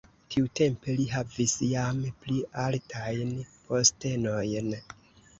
Tiutempe li havis jam pli altajn postenojn.